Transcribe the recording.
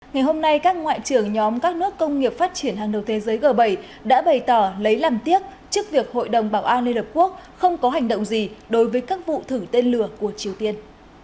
ngày hôm nay các ngoại trưởng nhóm các nước công nghiệp phát triển hàng đầu thế giới g bảy đã bày tỏ lấy làm tiếc trước việc hội đồng bảo an liên hợp quốc không có hành động gì đối với các vụ thử tên lửa của triều tiên